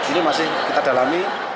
ini masih kita dalami